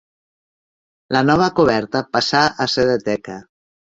La nova coberta passà a ser de teca.